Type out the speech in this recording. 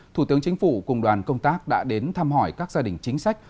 thủ tướng chính phủ cùng đoàn công tác đã đến thăm hỏi các gia đình chính sách